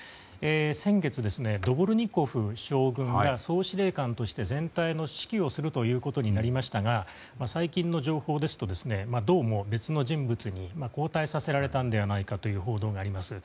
先月、ドボルニコフ将軍が総司令官として全体の指揮をすることになりましたが最近の情報ですとどうも別の人物で交代させられたのではないかという報道があります。